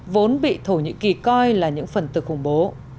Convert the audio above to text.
vốn bị thổ nhĩ kỳ coi là những phần tử khủng bố